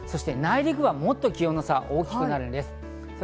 内陸部はもっと気温の差が大きくなるんです。